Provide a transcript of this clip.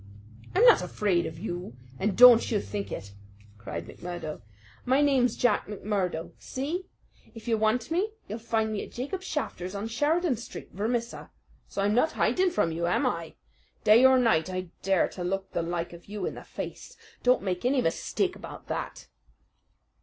"I'm not afraid of you, and don't you think it!" cried McMurdo. "My name's Jack McMurdo see? If you want me, you'll find me at Jacob Shafter's on Sheridan Street, Vermissa; so I'm not hiding from you, am I? Day or night I dare to look the like of you in the face don't make any mistake about that!"